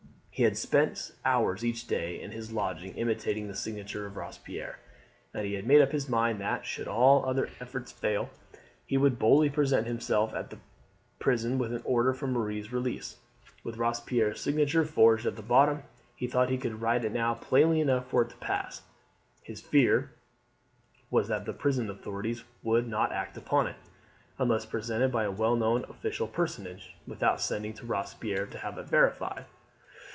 He had spent hours each day in his lodging imitating the signature of Robespierre, and he had made up his mind that, should all other efforts fail, he would boldly present himself at the prison with an order for Marie's release, with Robespierre's signature forged at the bottom. He thought he could write it now plainly enough for it to pass; his fear was that the prison authorities would not act upon it, unless presented by a well known official personage, without sending to Robespierre to have it verified.